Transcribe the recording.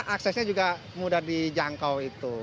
aksesnya juga mudah dijangkau itu